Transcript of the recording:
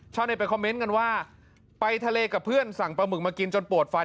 ไปคอมเมนต์กันว่าไปทะเลกับเพื่อนสั่งปลาหมึกมากินจนปวดไฟ